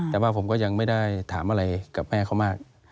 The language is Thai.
แต่ว่าผมก็ยังไม่ได้ถามอะไรกับแม่เขามาก